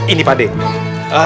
ini pak de